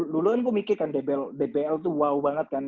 dulu kan bu mikir kan dbl tuh wow banget kan